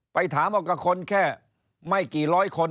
ไปถามเอากับคนแค่ไม่กี่ร้อยคน